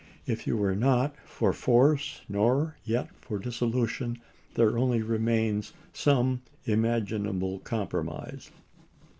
If you are not for force, nor yet for dissolution, there only remains some imaginable compromise.